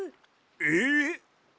えっ！？